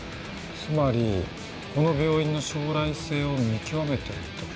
つまりこの病院の将来性を見極めてるって事？